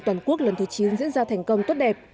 toàn quốc lần thứ chín diễn ra thành công tốt đẹp